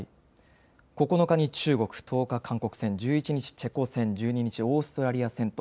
９日に中国、１０日に韓国、１１日チェコ戦、１２日オーストラリア戦と。